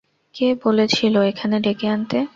কে বলেছিল এখানে ডেকে আনতে?